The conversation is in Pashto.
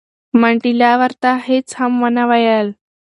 منډېلا ورته هیڅ هم ونه ویل.